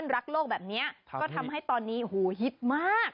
รักโลกแบบนี้ก็ทำให้ตอนนี้หูฮิตมาก